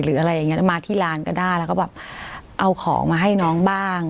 หรืออะไรอย่างเงี้มาที่ร้านก็ได้แล้วก็แบบเอาของมาให้น้องบ้าง